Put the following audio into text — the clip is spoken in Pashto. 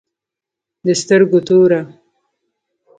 د سترگو توره